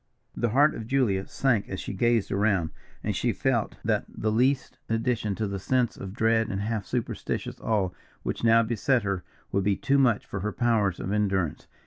The heart of Julia sank as she gazed around; and she felt that the least addition to the sense of dread and half superstitious awe which now beset her, would be too much for her powers of endurance.